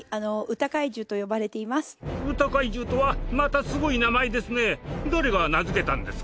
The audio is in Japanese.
歌怪獣とはまたすごい名前ですね。